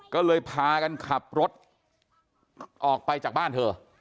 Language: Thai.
ก็เลยพากันขับรถออกไปจากบ้านเธอ